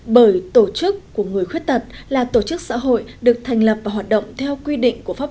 bởi tổ chức của người khuyết tật là tổ chức xã hội được thành lập và hoạt động theo quy định của pháp